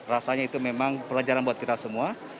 rasanya itu memang pelajaran buat kita semua